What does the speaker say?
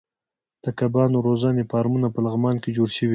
د کبانو روزنې فارمونه په لغمان کې جوړ شوي دي.